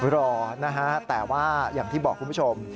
รอนะฮะแต่ว่าอย่างที่บอกคุณผู้ชม